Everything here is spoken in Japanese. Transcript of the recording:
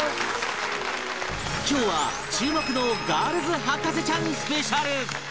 今日は注目のガールズ博士ちゃんスペシャル